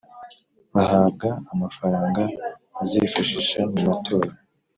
Bahabwa amafaranga bazifashisha mu matora